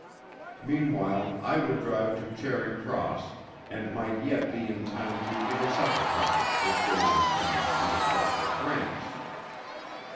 Meanwhile I would drive to Charing Cross, and might yet be in time to intercept the couple if they were intending to depart for France.